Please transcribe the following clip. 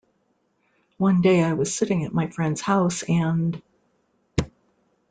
One day I was sitting at my friend's house and...